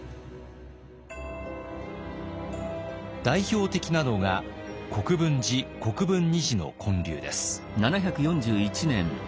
代表的なのが国分寺・国分尼寺の建立です。